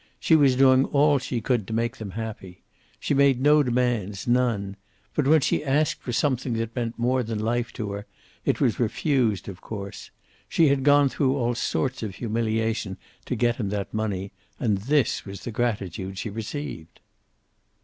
She was doing all she could to make them happy. She made no demands, none. But when she asked for something that meant more than life to her, it was refused, of course. She had gone through all sorts of humiliation to get him that money, and this was the gratitude she received.